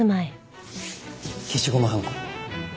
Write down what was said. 消しゴムはんこ。